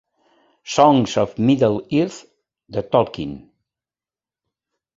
Songs of Middle-earth de Tolkien